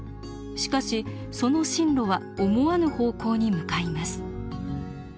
しかしその進路は思わぬ方向に向かいます。